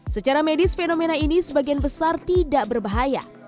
secara medis fenomena ini sebagian besar tidak berbahaya